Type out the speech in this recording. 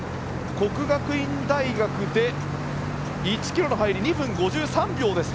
國學院大學で１ｋｍの入り２分５３秒です。